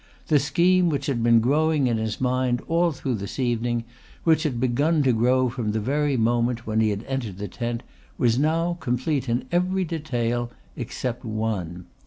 The scheme which had been growing in his mind all through this evening, which had begun to grow from the very moment when he had entered the tent, was now complete in every detail except one.